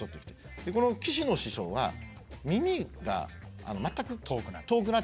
この岸野師匠は耳が全く遠くなっちゃって。